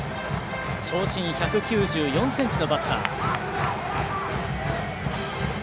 長身、１９４ｃｍのバッター。